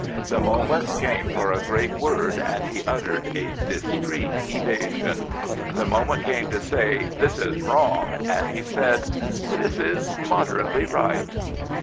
The moment came for a great word and he uttered a discreet evasion. The moment came to say " This is wrong," and he said " This is moderately right."